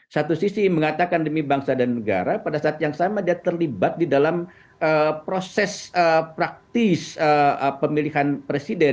satu sisi mengatakan demi bangsa dan negara pada saat yang sama dia terlibat di dalam proses praktis pemilihan presiden